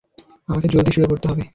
আমাকে জলদি শুয়ে পড়তে হবে।